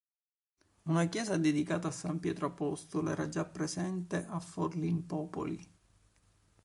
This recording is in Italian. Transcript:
Una chiesa dedicata a san Pietro apostolo era già presente a Forlimpopoli.